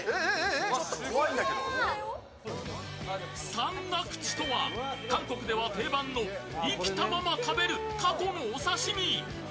サンナクチとは韓国では定番の生きたまま食べるタコのお刺身。